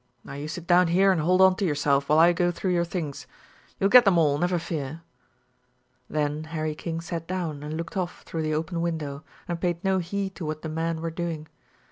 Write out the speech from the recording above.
Now you sit down here and hold on to yourself, while I go through your things. You'll get them all, never fear." Then Harry King sat down and looked off through the open window, and paid no heed to what the men were doing.